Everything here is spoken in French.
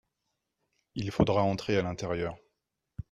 il faudra entrer à l'intérieur.